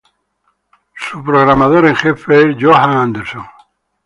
Su programador en jefe es Johan Andersson.